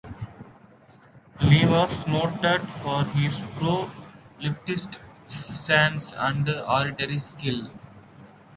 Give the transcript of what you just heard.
Lee was noted for his pro-leftist stance and oratory skills.